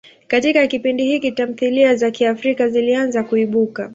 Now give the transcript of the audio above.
Katika kipindi hiki, tamthilia za Kiafrika zilianza kuibuka.